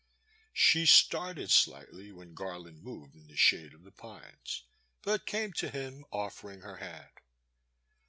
She started slightly when Gar land moved in the shade of the pines, but came to him, offering her hand.